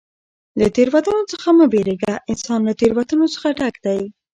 له تېروتنو څخه مه بېرېږه! انسان له تېروتنو څخه ډګ دئ.